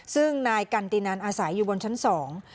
ซึ่งนายกันตินันอาศัยอยู่บนชั้นสอง